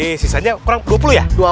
ini sisanya kurang dua puluh ya